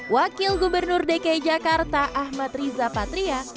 wakil gubernur dki jakarta ahmad riza patria